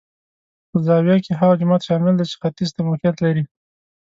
په زاویه کې هغه جومات شامل دی چې ختیځ ته موقعیت لري.